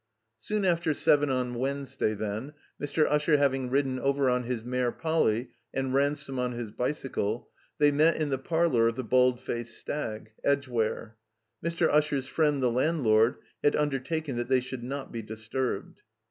Soon after seven on Wednesday, then, Mr. Usher having ridden over on his mare Polly and Ransome on his bicycle, they met in the parlor of the "Bald Faced Stag," Edgware. Mr. Usher's friend the landlord had undertaken that they should not be disturbed.